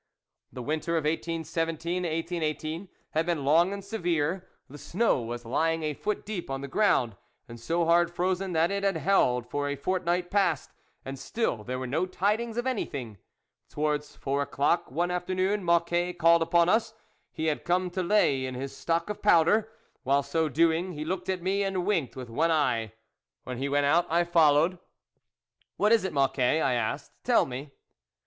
The winter of 1817 to 1818 had been long and severe ; the snow was lying a foot deep on the ground, and so hard frozen that it had held for a fortnight past, and still there were no tidings of anything. Towards four o'clock one afternoon Mocquet called upon us ; he had come to lay in his stock of powder. While so doing, he looked at me and winked with one eye. When he went out, I followed. " What is it, Mocquet ?" I asked, " tell me."